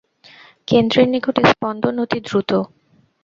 কেন্দ্রের নিকট স্পন্দন অতি দ্রুত।